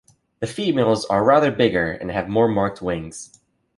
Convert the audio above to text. The females are rather bigger and have more marked wings.